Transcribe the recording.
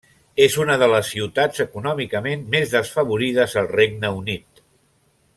És una de les ciutats econòmicament més desfavorides al Regne Unit.